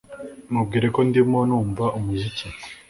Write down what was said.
Mubwire ko ndimo numva umuziki